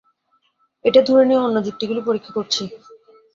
এটা ধরে নিয়ে অন্য যুক্তিগুলি পরীক্ষা করছি।